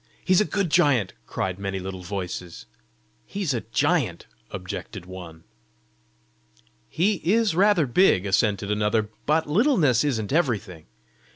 He's a good giant!" cried many little voices. "He's a giant!" objected one. "He IS rather big," assented another, "but littleness isn't everything!